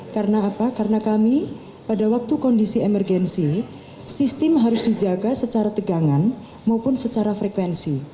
karena apa karena kami pada waktu kondisi emergensi sistem harus dijaga secara tegangan maupun secara frekuensi